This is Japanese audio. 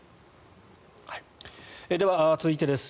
では続いてです。